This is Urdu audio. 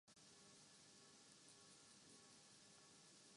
وہ اپنے دن راہگیروں کے خاکے بنانے یا کوشش کرنے میں گزارتا ہے